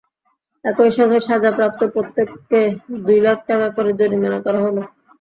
একই সঙ্গে সাজাপ্রাপ্ত প্রত্যেককে দুই লাখ টাকা করে জরিমানা করা হলো।